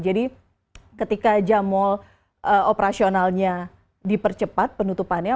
jadi ketika jam mal operasionalnya dipercepat penutupannya